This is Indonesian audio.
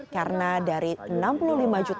karena dari enam puluh lima juta orang yang menerima bantuan